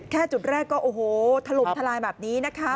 จุดแรกก็โอ้โหถล่มทลายแบบนี้นะคะ